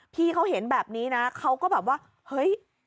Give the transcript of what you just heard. พี่เขาเห็นแบบนี้นะเขาก็แบบว่าเฮ้ย